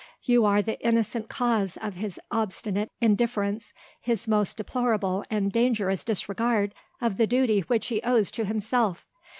You are the innocent cause of his obstinate indifference, his most deplorable and dangerous disregard of the duty which he owes to himself.